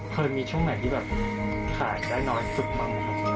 เคยมีช่วงไหนที่แบบขายได้น้อยสุดบ้างไหมครับ